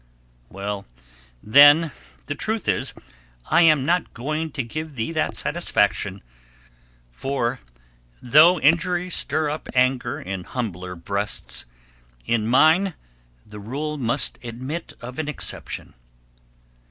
Well then, the truth is, I am not going to give thee that satisfaction; for, though injuries stir up anger in humbler breasts, in mine the rule must admit of an exception.